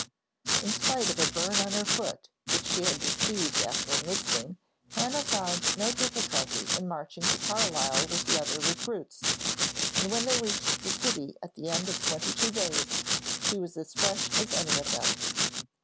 In spite of a burn on her foot, which she had received after enlisting, Hannah found no difficulty in marching to Carlisle with the other recruits, and when they reached the city at the end of twenty two days, she was as fresh as any of them.